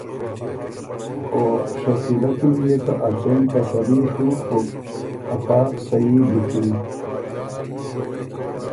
او شکیلۀ کی م يې که ا څېن تسلي ڒُوک بُک افا صحیح لِکی“